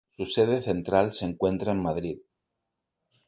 Su sede central se encuentra en Madrid.